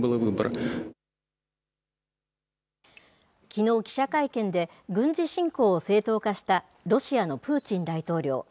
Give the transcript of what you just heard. きのう記者会見で、軍事侵攻を正当化した、ロシアのプーチン大統領。